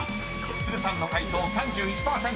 ［都留さんの解答３１％。